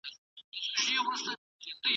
زور او زېر مراعات کړئ.